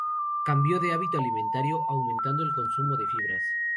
Cambio de hábito alimentario aumentando el consumo de fibras.